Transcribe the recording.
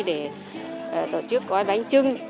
để tổ chức gói bánh trưng